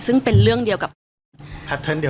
ซึ่งเป็นเรื่องเดียวกับปฏิเสธ